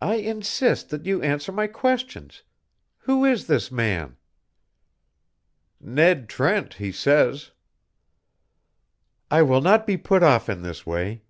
"I insist that you answer my questions. Who is this man?" "Ned Trent, he says." "I will not be put off in this way.